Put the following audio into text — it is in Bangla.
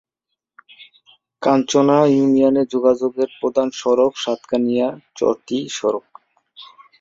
কাঞ্চনা ইউনিয়নে যোগাযোগের প্রধান সড়ক সাতকানিয়া-চরতী সড়ক।